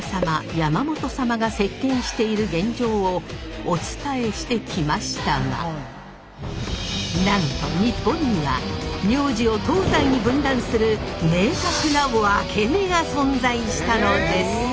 山本様が席けんしている現状をお伝えしてきましたがなんと日本には名字を東西に分断する明確なワケメが存在したのです。